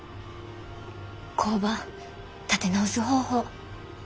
工場立て直す方法。